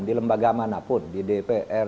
di lembaga manapun di dpr